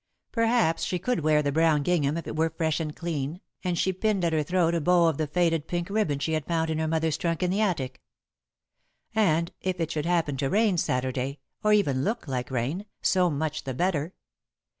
Perhaps she could wear the brown gingham if it were fresh and clean, and she pinned at her throat a bow of the faded pink ribbon she had found in her mother's trunk in the attic. And, if it should happen to rain Saturday, or even look like rain, so much the better.